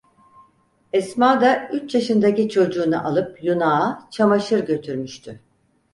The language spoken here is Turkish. Esma da, üç yaşındaki çocuğunu alıp yunağa çamaşır götürmüştü.